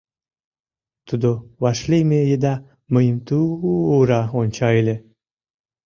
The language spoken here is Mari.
Тудо вашлийме еда мыйым ту-у-ура онча ыле.